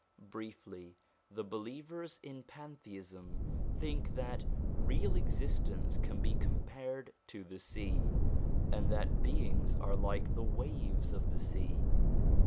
Briefly, the believers in pantheism think that Real Existence can be compared to the sea, and that beings are like the waves of the sea.